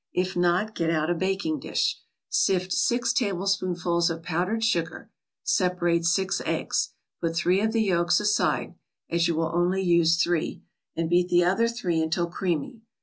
If not, get out a baking dish. Sift six tablespoonfuls of powdered sugar. Separate six eggs. Put three of the yolks aside (as you will only use three), and beat the other three until creamy.